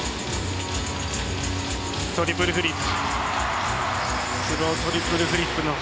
トリプルフリップ。